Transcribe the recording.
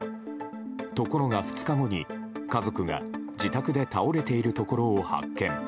ところが２日後に、家族が自宅で倒れているところを発見。